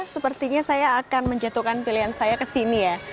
sepertinya saya akan menjatuhkan pilihan saya ke sini ya